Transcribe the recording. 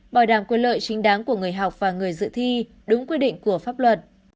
bảo đảm quyền lợi chính đáng của người học và người dự thi đúng quy định của pháp luật